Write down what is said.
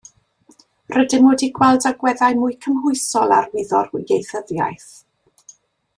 Rydym wedi gweld agweddau mwy cymhwysol ar wyddor ieithyddiaeth.